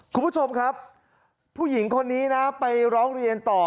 คุณผู้ชมครับผู้หญิงคนนี้นะไปร้องเรียนต่อ